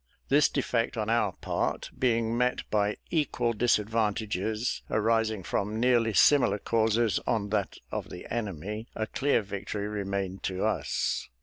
This defect on our part being met by equal disadvantages, arising from nearly similar causes, on that of the enemy, a clear victory remained to us.